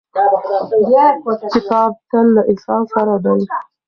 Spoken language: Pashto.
کتاب تل له انسان سره دی.